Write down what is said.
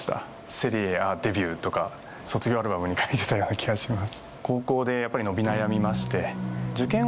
セリエＡデビューとか卒業アルバムに書いてたような気がします。